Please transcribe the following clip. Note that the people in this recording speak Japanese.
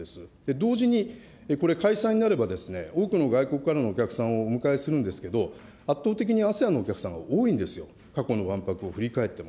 同時に、これ、開催になれば多くの外国からのお客さんをお迎えするんですけれども、圧倒的にＡＳＥＡＮのお客さんが多いんですよ、過去の万博を振り返っても。